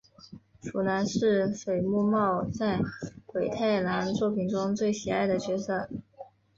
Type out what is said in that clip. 鼠男是水木茂在鬼太郎作品中最喜爱的角色。